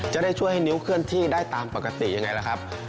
จะได้ช่วยให้นิ้วเคลื่อนที่ได้ตามปกติยังไงล่ะครับ